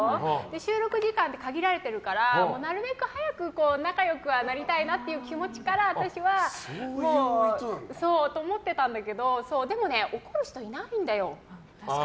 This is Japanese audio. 収録時間って限られているからなるべく早く仲良くなりたいなという気持ちから私はって思ってたんだけどでもね、怒る人いないんだよ。